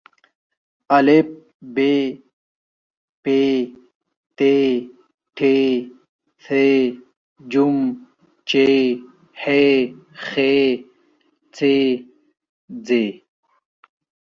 ا ب پ ت ټ ث ج چ ح خ څ ځ